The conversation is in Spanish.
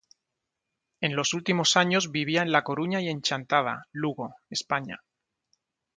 En los últimos años vivía en La Coruña y en Chantada, Lugo, España.